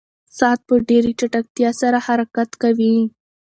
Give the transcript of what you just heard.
ساعت په ډېرې چټکتیا سره حرکت کوي.